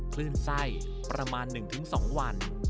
คลื่นไส้ประมาณ๑๒วัน